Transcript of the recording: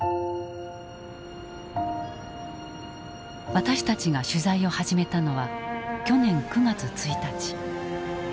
私たちが取材を始めたのは去年９月１日。